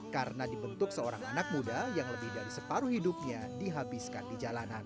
karena dibentuk seorang anak muda yang lebih dari separuh hidupnya dihabiskan di jalanan